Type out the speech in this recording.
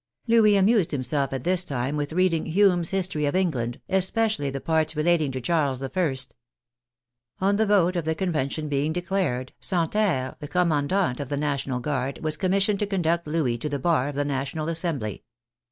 Louis amused himself at this time with reading Hume's His tory of England, especially the parts relating to Charles L On the vote of the Convention being declared, San terre, the commandant of the National Guard, was com missioned to conduct Louis to the bar of the National Assembly.